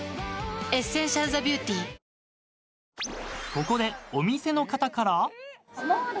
［ここでお店の方から］